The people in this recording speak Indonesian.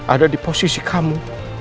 ada di posisi kamu